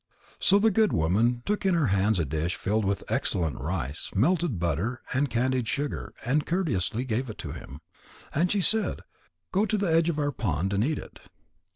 So the good woman took in her hands a dish filled with excellent rice, melted butter, and candied sugar, and courteously gave it to him. And she said: "Go to the edge of our pond, and eat it."